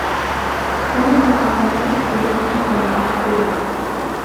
Кумытын ала-мом йышт мутланаш пижыч.